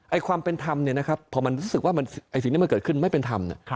ความเป็นธรรมเนี่ยนะครับพอมันรู้สึกว่าไอ้สิ่งที่มันเกิดขึ้นไม่เป็นธรรม